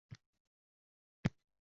Shu ibora xato